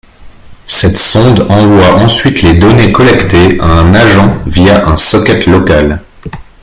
Cette sonde envoie ensuite les données collectées à un agent via un socket local